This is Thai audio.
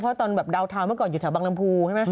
เพราะว่าตอนดาวน์ทาวน์เมื่อก่อนอยู่วาดบางลำพู